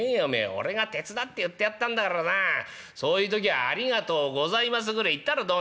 俺が手伝って売ってやったんだからさあそういう時はありがとうございますぐらい言ったらどうなんだろうな」。